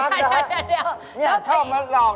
ดอกเอิงนี่ครับผมนี่คือดอกนักนะคะ